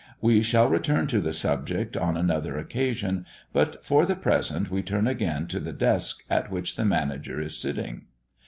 We shall return to the subject on another occasion; but for the present we turn again to the desk at which the manager is sitting.